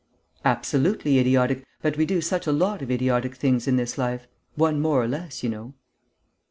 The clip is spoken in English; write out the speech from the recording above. "Absolutely idiotic, but we do such a lot of idiotic things in this life.... One more or less, you know!..."